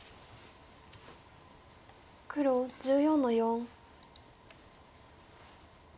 黒１４の四。